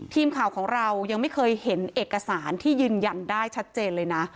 ทีมข่าวของเรายังไม่เคยเห็นเอกสารที่ยืนยันได้ชัดเจนเลยนะ